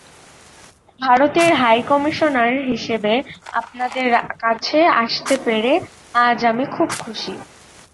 ভারতের হাইকমিশনার হিসেবে আপনাদের কাছে আসতে পেরে আজ আমি খুব খুশি।